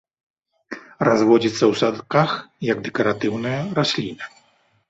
Разводзіцца ў садках як дэкаратыўная расліна.